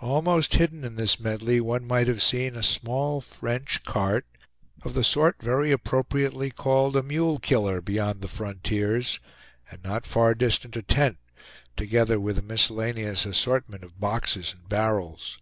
Almost hidden in this medley one might have seen a small French cart, of the sort very appropriately called a "mule killer" beyond the frontiers, and not far distant a tent, together with a miscellaneous assortment of boxes and barrels.